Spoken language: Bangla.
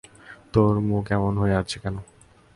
তোর মুখ এমন হয়ে আছে কেন?